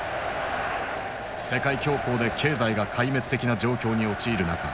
世界恐慌で経済が壊滅的な状況に陥る中